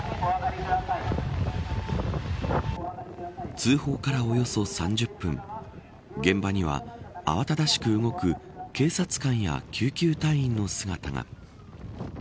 通報からおよそ３０分現場には慌ただしく動く警察官や救急隊員の姿が。